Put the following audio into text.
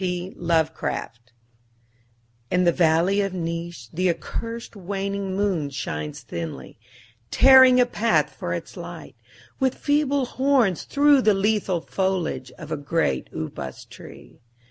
P. Lovecraft In the valley of Nis the accursed waning moon shines thinly, tearing a path for its light with feeble horns through the lethal foliage of a great upas tree.